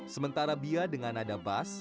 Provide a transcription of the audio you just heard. sementara bia dengan nada bas